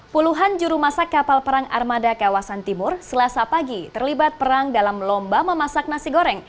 puluhan juru masak kapal perang armada kawasan timur selasa pagi terlibat perang dalam lomba memasak nasi goreng